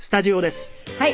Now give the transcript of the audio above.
はい。